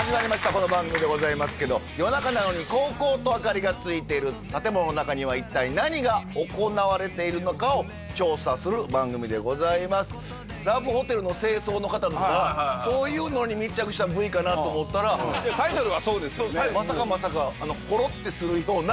この番組でございますけど夜中なのに煌々と明かりがついてる建物の中には一体何が行われているのかを調査する番組でございますラブホテルの清掃の方とかはいはいはいはいそういうのに密着したＶかなと思ったらまさかまさかえっほろってするんですか！？